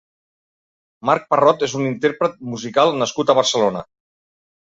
Marc Parrot és un intérpret musical nascut a Barcelona.